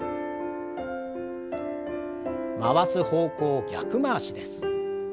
回す方向を逆回しです。